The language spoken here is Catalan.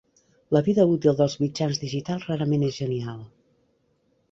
La vida útil dels mitjans digitals rarament és genial.